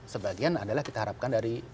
sebagian adalah kita harapkan dari